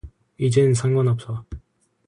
이젠 상관없어.